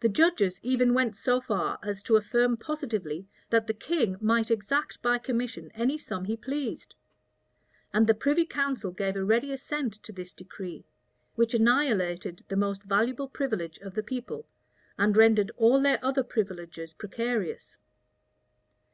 The judges even went so far as to affirm positively, that the king might exact by commission any sum he pleased; and the privy council gave a ready assent to this decree, which annihilated the most valuable privilege of the people, and rendered all their other privileges precarious.